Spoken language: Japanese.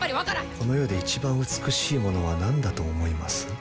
この世で一番美しいものは何だと思います？